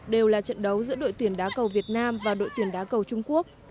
đều là trận đấu giữa đội tuyển đá cầu việt nam và đội tuyển đá cầu trung quốc